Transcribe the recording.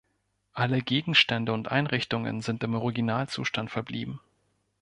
Alle Gegenstände und Einrichtungen sind im Originalzustand verblieben.